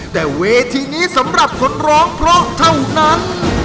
แต่เวทีนี้สำหรับคนร้องเพราะเท่านั้น